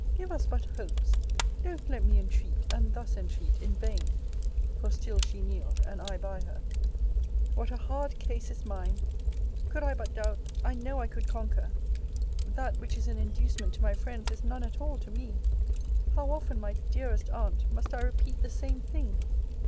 Give us but hopes. Don't let me entreat, and thus entreat, in vain [for still she kneeled, and I by her]. What a hard case is mine! Could I but doubt, I know I could conquer. That which is an inducement to my friends, is none at all to me How often, my dearest Aunt, must I repeat the same thing?